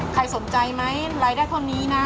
ใครสนใจไหมรายได้เท่านี้นะ